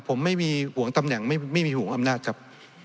ผมไม่มีห่วงตำแหน่งไม่มีห่วงอำนาจครับ